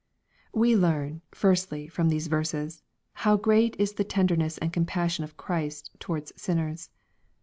We learn^ firstly, from these verses, how great is the tenderness and compassion of Christ towards sinners.